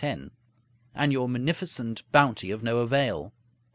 10) and your munificent bounty of no avail.